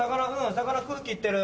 魚空気行ってる。